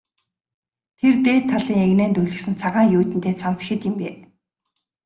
Тэр дээд талын эгнээнд өлгөсөн цагаан юүдэнтэй цамц хэд юм бэ?